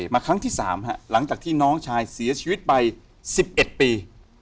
มาครั้งที่๓หลังจากที่น้องชายเสียชีวิตไป๑๑ปี